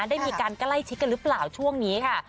ได้มีการใกล้ชิดกันหรือเปล่าช่วงนี้ค่ะ